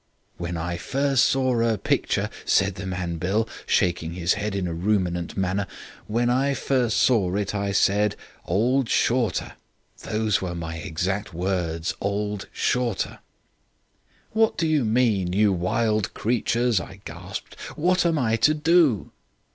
"'When first I saw 'er picture,' said the man Bill, shaking his head in a ruminant manner, 'when I first saw it I said old Shorter. Those were my exact words old Shorter.' "'What do you mean, you wild creatures?' I gasped. 'What am I to do?'